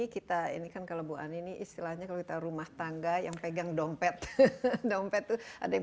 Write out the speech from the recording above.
kita ini kan kalau bu ani ini istilahnya kalau kita rumah tangga yang pegang dompet dompet tuh ada yang